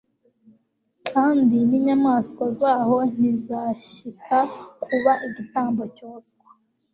kandi ninyamaswa zaho ntizashyika kuba igitambo cyoswa